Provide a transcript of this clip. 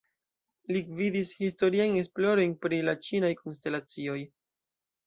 Li gvidis historiajn esplorojn pri la ĉinaj konstelacioj.